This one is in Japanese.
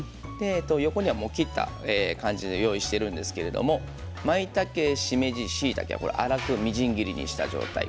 横には、もう切った感じで用意しているんですけれどもまいたけ、しめじ、しいたけ粗くみじん切りにした状態。